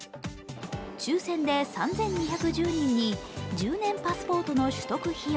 抽選で３２１０人に１０年パスポートの取得費用